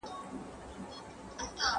¬ تر مازي گټي، تُرت تاوان ښه دئ.